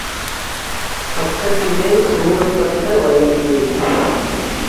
பக்கத்திலே சேறு பட்ட வயல்கள்.